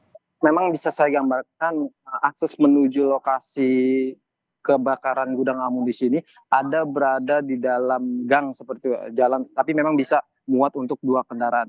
jadi memang bisa saya gambarkan akses menuju lokasi kebakaran gudang amu di sini ada berada di dalam gang seperti jalan tapi memang bisa muat untuk dua kendaraan